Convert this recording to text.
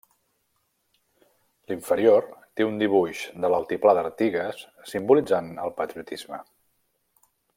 L'inferior té un dibuix de l'Altiplà d'Artigas, simbolitzant el patriotisme.